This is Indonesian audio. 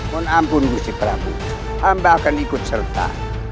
mohon ampun si prabu hamba akan ikut serta